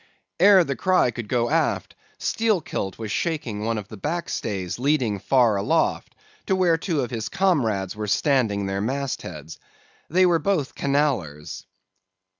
"Ere the cry could go aft Steelkilt was shaking one of the backstays leading far aloft to where two of his comrades were standing their mastheads. They were both Canallers.